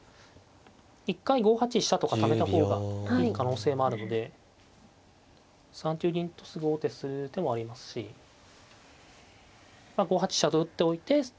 一回５八飛車とかためた方がいい可能性もあるので３九銀とすぐ王手する手もありますし５八飛車と打っておいて次に３八成桂同金